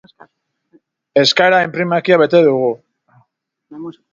Eskaera-inprimakia bete dugu.